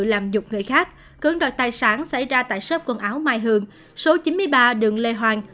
làm dục người khác cưỡng đoạt tài sản xảy ra tại số quần áo mai hường số chín mươi ba đường lê hoàng